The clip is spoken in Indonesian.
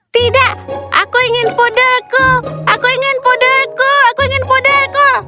tidak aku ingin puderku aku ingin puderku aku ingin puderku